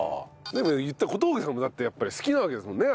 でもね言ったら小峠さんもだってやっぱり好きなわけですもんね